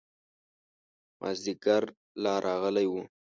مازدیګر لا راغلی و.